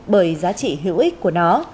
bởi giá trị hữu ích của nó